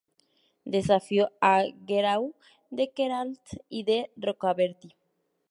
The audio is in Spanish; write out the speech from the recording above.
Desafió a Guerau de Queralt y de Rocabertí.